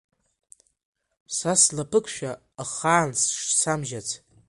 Са слаԥықәшәа ахаан самжьац!